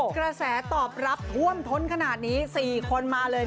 กระแสตอบรับท่วมท้นขนาดนี้๔คนมาเลย